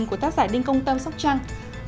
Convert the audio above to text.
của tác giả đinh công tâm sóc trăng